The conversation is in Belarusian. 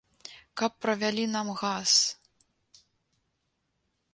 Каб правялі нам газ!